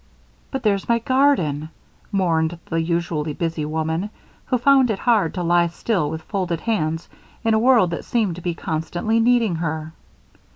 "But there's my garden," mourned the usually busy woman, who found it hard to lie still with folded hands in a world that seemed to be constantly needing her.